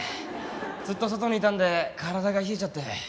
ずっと外にいたんで体が冷えちゃって。